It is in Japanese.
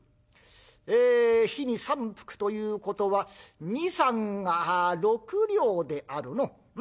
ええ日に３服ということは２×３＝６両であるのう。